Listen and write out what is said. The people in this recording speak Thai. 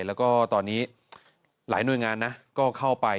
แล้วก็ตอนนี้หลายหน่วยงานนะก็เข้าไป